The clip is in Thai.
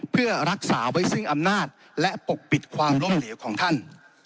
เพื่อรักษาไว้ซึ่งอำนาจและปกปิดความล้มเหลวของท่าน